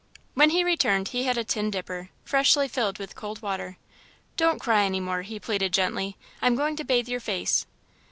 When he returned, he had a tin dipper, freshly filled with cold water. "Don't cry any more," he pleaded, gently, "I'm going to bathe your face."